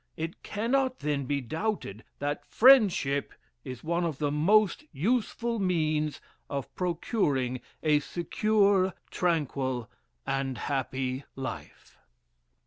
It cannot then be doubted, that friendship is one of the most useful means of procuring a secure, tranquil, and happy life."